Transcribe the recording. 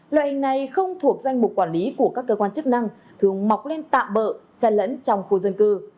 loại hình này không thuộc danh mục quản lý của các cơ quan chức năng thường mọc lên tạm bỡ xen lẫn trong khu dân cư